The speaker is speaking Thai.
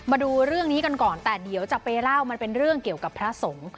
มาดูเรื่องนี้กันก่อนแต่เดี๋ยวจะไปเล่ามันเป็นเรื่องเกี่ยวกับพระสงฆ์